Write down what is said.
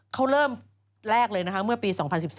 เขาเริ่มแรกเลยนะคะเมื่อปี๒๐๑๓